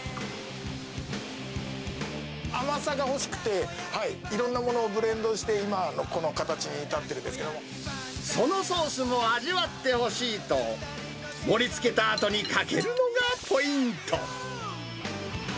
甘さが欲しくて、いろんなものをブレンドして今、そのソースも味わってほしいと、盛りつけたあとにかけるのがポイント。